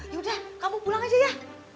yaudah kamu pulang aja ya